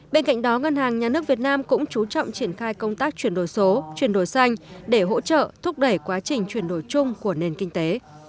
bên cạnh đó ngân hàng nhà nước việt nam cũng chú trọng triển khai công tác chuyển đổi số chuyển đổi xanh để hỗ trợ thúc đẩy quá trình chuyển đổi chung của nền kinh tế